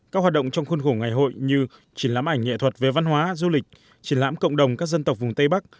các hoạt động trong khuôn khổ ngày hội như chỉnh lãm ảnh nghệ thuật về văn hóa du lịch triển lãm cộng đồng các dân tộc vùng tây bắc